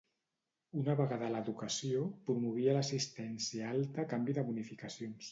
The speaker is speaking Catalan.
Una vegada a l'educació, promovia l'assistència alta a canvi de bonificacions.